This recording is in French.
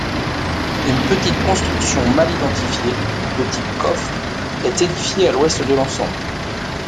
Une petite construction mal identifiée, de type coffre, est édifiée à l'ouest de l'ensemble.